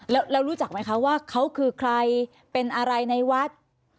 แล้วรู้จักไหมคะว่าเขาคือใครเป็นอะไรในวัด